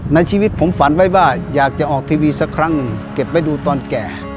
ในชีวิตผมฝันไว้ว่าอยากจะออกทีวีสักครั้งหนึ่งเก็บไว้ดูตอนแก่